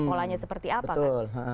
polanya seperti apa kan